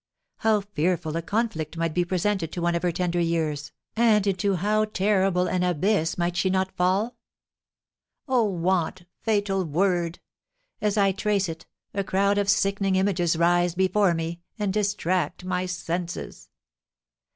How fearful a conflict might be presented to one of her tender years, and into how terrible an abyss might she not fall? Oh, want, fatal word! As I trace it, a crowd of sickening images rise before me, and distract my senses.